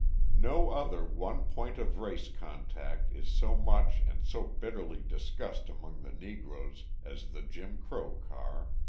No other one point of race contact is so much and so bitterly discussed among the Negroes as the Jim Crow car.